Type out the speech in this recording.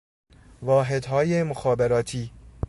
واحدهای مخابراتی